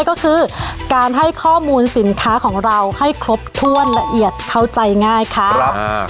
ก็คือการให้ข้อมูลสินค้าของเราให้ครบถ้วนละเอียดเข้าใจง่ายค่ะครับ